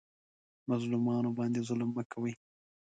مظلومانو باندې ظلم مه کوئ